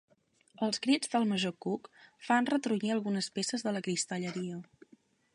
Els crits del major Cook fan retrunyir algunes peces de la cristalleria.